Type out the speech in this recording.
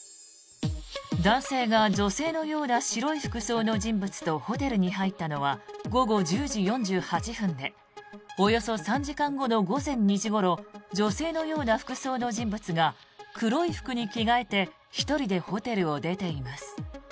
男性が女性のような白い服装の人物とホテルに入ったのは午後１０時４８分でおよそ３時間後の午前２時ごろ女性のような服装の人物が黒い服に着替えて１人でホテルを出ています。